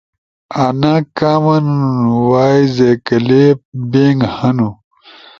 آنا کامن وائے اے کلپس بنک ہنُو۔